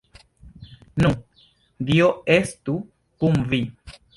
Nu, dio estu kun vi.